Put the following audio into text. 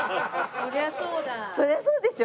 そりゃそうでしょ？